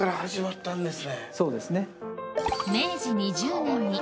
そうですね。